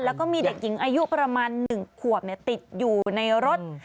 แล้วก็มีเด็กหญิงอายุประมาณ๑ขวบติดอยู่ในรถ